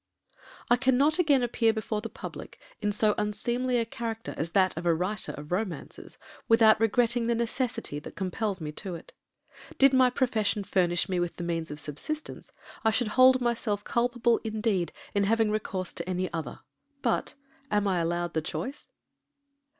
I cannot again appear before the public in so unseemly a character as that of a writer of romances, without regretting the necessity that compels me to it. Did my profession furnish me with the means of subsistence, I should hold myself culpable indeed in having recourse to any other, but—am I allowed the choice?